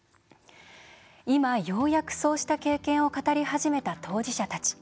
今、ようやく、そうした経験を語り始めた当事者たち。